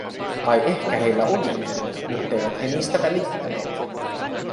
Tai ehkä heillä olikin, mutteivät he niistä välittäneet.